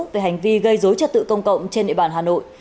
về hành vi gây dối trật tự công cộng trên địa bàn hà nội